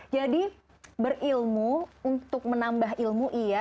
jadi berilmu untuk menambah ilmu iya